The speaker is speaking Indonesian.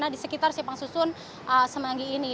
di sekitar simpang susun semanggi ini